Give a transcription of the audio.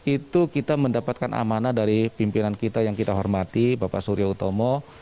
itu kita mendapatkan amanah dari pimpinan kita yang kita hormati bapak surya utomo